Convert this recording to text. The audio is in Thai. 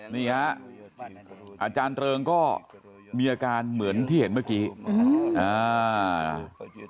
นี่ฮะอาจารย์เริงก็มีอาการเหมือนที่เห็นเมื่อกี้อืมอ่า